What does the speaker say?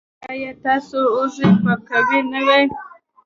ایا ستاسو اوږې به قوي نه وي؟